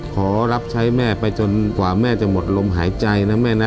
ขอรับใช้แม่ไปจนกว่าแม่จะหมดลมหายใจนะแม่นะ